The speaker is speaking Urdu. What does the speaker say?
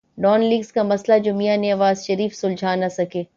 ڈان لیکس کا مسئلہ جو میاں نواز شریف سلجھا نہ سکے۔